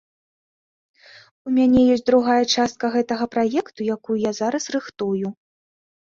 У мяне ёсць другая частка гэтага праекту, якую я зараз рыхтую.